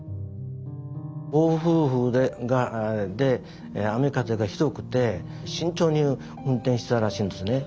暴風雨で雨風がひどくて慎重に運転してたらしいんですね。